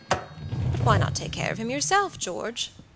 "But why not take care of him yourself, George?"